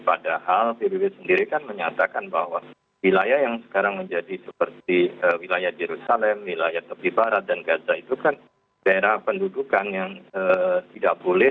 padahal pbb sendiri kan menyatakan bahwa wilayah yang sekarang menjadi seperti wilayah jerusalem wilayah tepi barat dan gaza itu kan daerah pendudukan yang tidak boleh